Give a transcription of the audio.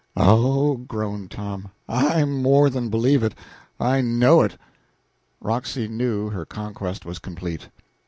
"Oh," groaned Tom, "I more than believe it; I know it." Roxy knew her conquest was complete.